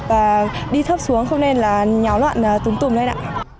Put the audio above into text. và đi thấp xuống không nên là nháo loạn túm tùm lên ạ